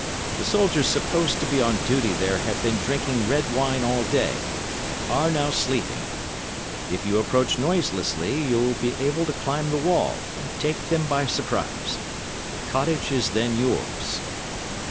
The soldiers supposed to be on duty there have been drinking red wine all day, and are now sleeping. If you approach noiselessly you will be able to climb the wall and take them by surprise. The cottage is then yours."